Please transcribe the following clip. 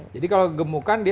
jadi kalau kegemukan gitu ya